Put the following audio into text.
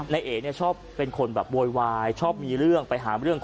ในตลาดเลยหรือ